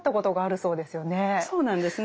そうなんですね。